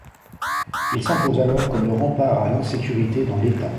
Il s'impose alors comme le rempart à l'insécurité dans l'État.